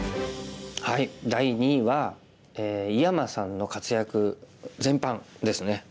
第２位は井山さんの活躍全般ですね。